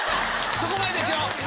そこまでですよ！